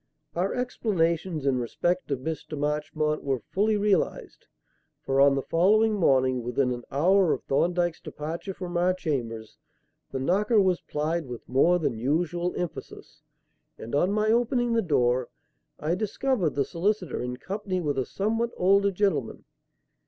Our explanations in respect of Mr. Marchmont were fully realized; for, on the following morning, within an hour of Thorndyke's departure from our chambers, the knocker was plied with more than usual emphasis, and, on my opening the door, I discovered the solicitor in company with a somewhat older gentleman.